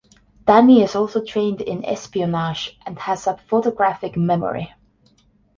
Danny is also trained in espionage and has a photographic memory.